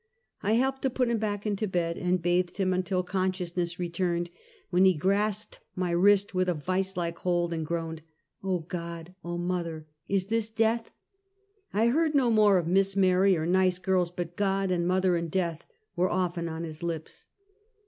I helped to put him back into bed, and bathed him until consciousness returned, when he grapsed my wrist with a vice like hold and groaned. " Oh God ! Oh mother ! Is this death ?" I heard no more of Miss Mary, or nice girls; but God and mother and death were often on his lips.